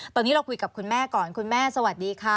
ตอนนี้เราคุยกับคุณแม่ก่อนคุณแม่สวัสดีค่ะ